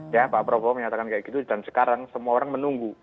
ya pak prabowo menyatakan kayak gitu dan sekarang semua orang menunggu